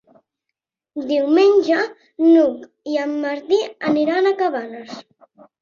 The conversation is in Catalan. Diumenge n'Hug i en Martí aniran a Cabanes.